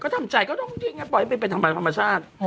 ก็ทำจ่ายก็ต้องเป็นแปลทำแบบธรรมชาติ